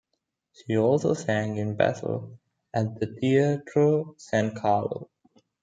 She also sang in Basle at the Teatro San Carlo.